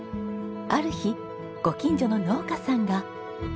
ある日ご近所の農家さんが。